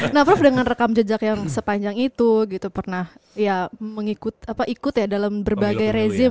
nah prof dengan rekam jejak yang sepanjang itu gitu pernah ya ikut ya dalam berbagai rezim